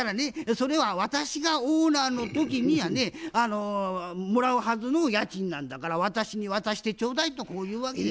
「それは私がオーナーの時にやねもらうはずの家賃なんだから私に渡してちょうだい」とこう言うわけよ。